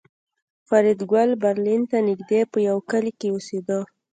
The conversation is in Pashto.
فریدګل برلین ته نږدې په یوه کلي کې اوسېده